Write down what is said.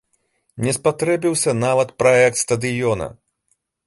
Не спатрэбіўся нават праект стадыёна.